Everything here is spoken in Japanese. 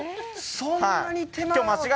そんなに手間が。